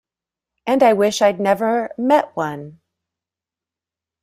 And I wish I'd never met one.